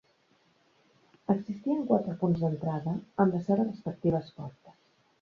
Existien quatre punts d'entrada, amb les seves respectives portes.